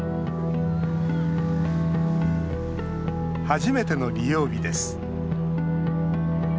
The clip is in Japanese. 初めての利用日です。